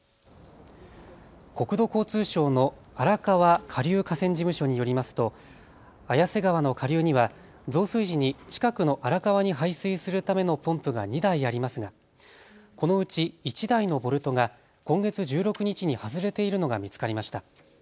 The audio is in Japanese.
国土交通省の荒川下流河川事務所によりますと綾瀬川の下流には増水時に近くの荒川に排水するためのポンプが２台ありますがこのうち１台のボルトが今月１６日に外れているのが見つかりました。